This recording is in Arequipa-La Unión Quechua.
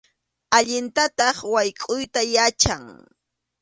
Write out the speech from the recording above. Allintataq waykʼuyta yachan.